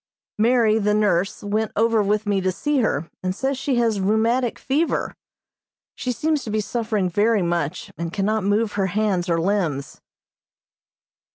Mary, the nurse, went over with me to see her, and says she has rheumatic fever. She seems to be suffering very much, and cannot move her hands or limbs.